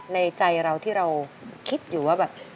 ในใจเราที่เราคิดอยู่ว่าแบบ